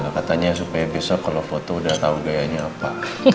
katanya supaya besok kalau foto udah tau gayanya apa